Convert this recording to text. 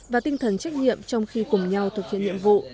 và tinh thần trách nhiệm trong khi cùng nhau thực hiện nhiệm vụ